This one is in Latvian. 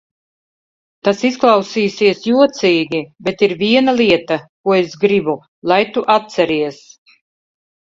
Tas izklausīsies jocīgi, bet ir viena lieta, ko es gribu, lai tu atceries.